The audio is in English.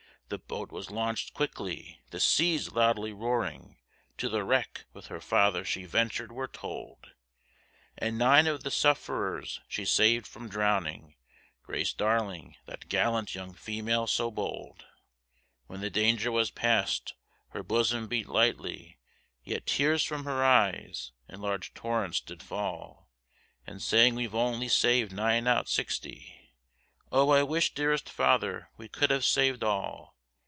The boat was launched quickly, the seas loudly roaring, To the wreck with her father she ventur'd we're told, And nine of the sufferers she saved from drowning, Grace Darling that gallant young female so bold. When the danger was past her bosom beat lightly, Yet tears from her eyes in large torrents did fall, And saying we've only saved nine out sixty, Oh! I wish dearest father we could have saved all.